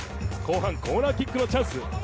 後半、コーナーキックのチャンス。